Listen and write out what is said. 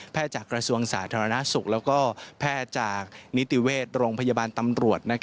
จากกระทรวงสาธารณสุขและแพทย์จากนิติเวชโรงพยาบาลตำรวจ